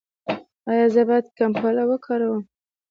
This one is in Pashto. ایا زه باید کمپله وکاروم؟